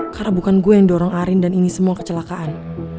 karena bukan gue yang dorong arin dan ini semua kecelakaan